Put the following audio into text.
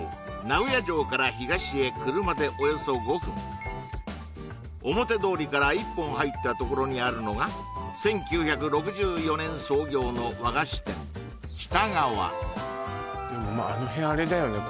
名古屋城から東へ車でおよそ５分表通りから一本入った所にあるのが１９６４年創業の和菓子店きた川でもまああの辺あれだよね